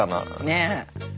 ねえ。